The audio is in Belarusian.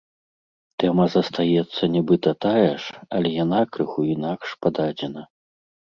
Тэма застаецца нібыта тая ж, але яна крыху інакш пададзена.